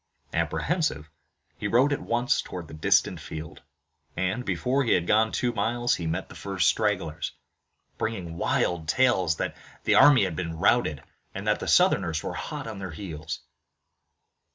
Apprehensive, he rode at once toward the distant field, and, before he had gone two miles, he met the first stragglers, bringing wild tales that the army had been routed, and that the Southerners were hot on their heels.